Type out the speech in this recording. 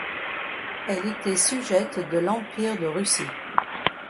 Elle était sujette de l'Empire de Russie.